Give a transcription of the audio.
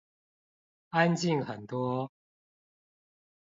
安靜很多